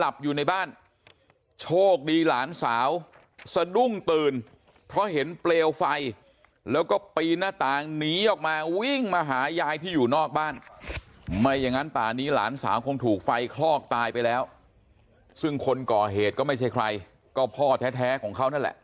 โชคดีหลานสาวสะดุ้งตื่นเพราะเห็นเปลวไฟแล้วก็ปีนหน้าต่างหนีออกมาวิ่งมาหายายที่อยู่นอกบ้านไม่อย่างนั้นป่านี้หลานสาวคงถูกไฟคลอกตายไปแล้วซึ่งคนก่อเหตุก็ไม่ใช่ใครก็พ่อแท้ของเขานั่นแหละ